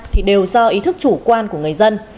thì đều do ý thức chủ quan của người dân